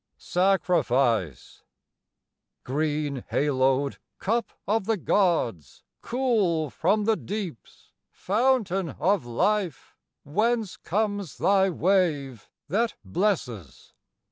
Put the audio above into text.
SACRIFICE. Green haloed cup of the gods, cool from the deeps, Fountain of life, whence comes thy wave that blesses?